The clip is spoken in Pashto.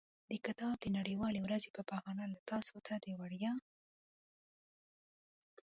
د کتاب د نړیوالې ورځې په بهانه له تاسو ته د وړیا.